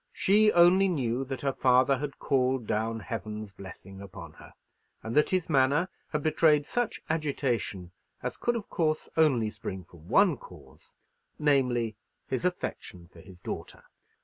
She only knew that her father had called down Heaven's blessing upon her; and that his manner had betrayed such agitation as could, of course, only spring from one cause, namely, his affection for his daughter.